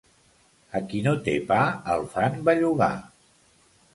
A qui no té pa el fan bellugar.